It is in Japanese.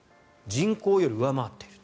人口より上回っている。